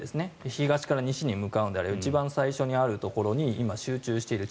東から西に向かうのであれば一番最初にあるところに今、集中している。